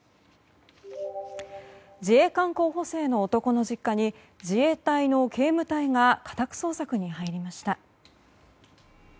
自衛官候補生の男の実家に自衛隊の警務隊が家宅捜索に入りました。